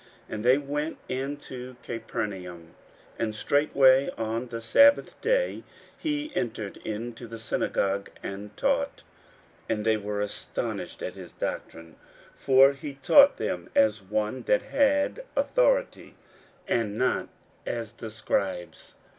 41:001:021 And they went into Capernaum; and straightway on the sabbath day he entered into the synagogue, and taught. 41:001:022 And they were astonished at his doctrine: for he taught them as one that had authority, and not as the scribes.